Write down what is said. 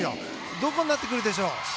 どこになってくるでしょう。